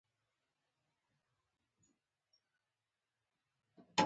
د عامه کتابتونونو کلتور په پښتني سیمو کې ورو ورو مخ په ودې دی.